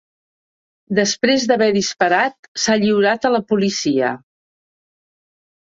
Després d’haver disparat, s’ha lliurat a la policia.